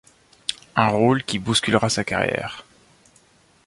Un rôle qui bousculera sa carrière.